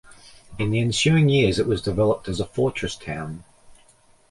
In the ensuing years it was developed as a fortress town.